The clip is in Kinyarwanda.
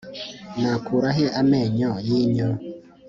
nakura he amenyo yinyo